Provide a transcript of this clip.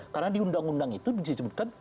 karena di undang undang itu bisa disebutkan